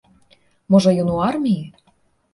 Можа ён у арміі?